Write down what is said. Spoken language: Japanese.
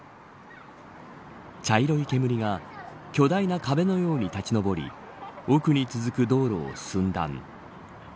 茶色い煙が巨大な壁のように立ち上り奥に続く道路を寸断。